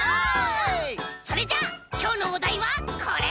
それじゃあきょうのおだいはこれ！